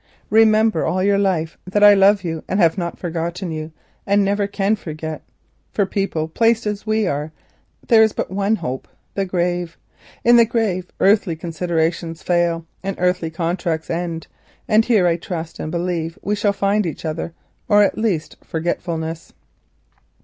Remember all your life that I love you and have not forgotten you, and never can forget. For people placed as we are there is but one hope—the grave. In the grave earthly considerations fail and earthly contracts end, and there I trust and believe we shall find each other—or at the least forgetfulness.